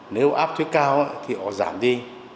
nếu áp thuế cao thì họ giảm đi